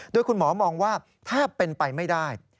โดยคุณหมอมองว่าแทบเป็นไปไม่ได้